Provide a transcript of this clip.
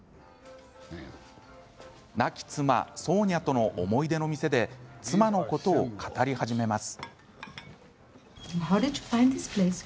亡き妻、ソーニャとの思い出の店で妻のことを語り始めます。